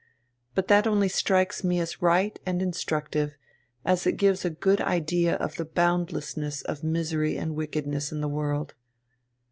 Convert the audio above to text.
But that only strikes me as right and instructive, as it gives a good idea of the boundlessness of misery and wickedness in the world.